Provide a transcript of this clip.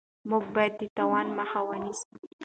موږ باید د تاوان مخه ونیسو.